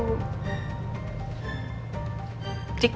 saya sempat melihat mereka itu